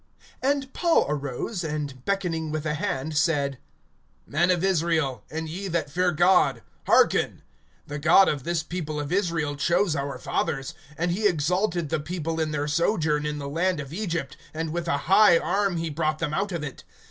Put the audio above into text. (16)And Paul arose, and beckoning with the hand, said: Men of Israel, and ye that fear God, hearken. (17)The God of this people of Israel chose our fathers; and he exalted the people in their sojourn in the land of Egypt, and with a high arm he brought them out of it.